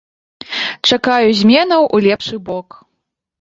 Чакаю зменаў у лепшы бок.